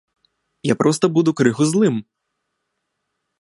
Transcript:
Я проста буду крыху злым!